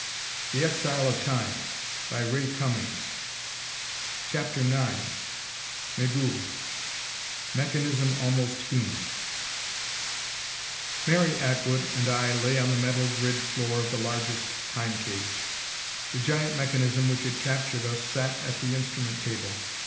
They were marooned in the year 1777! CHAPTER IX Migul Mechanism Almost Human Mary Atwood and I lay on the metal grid floor of the largest Time cage. The giant mechanism which had captured us sat at the instrument table.